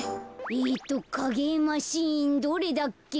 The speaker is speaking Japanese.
えっとかげえマシンどれだっけ？